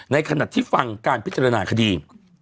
ในขณะที่ฟังการพิจารณาคดี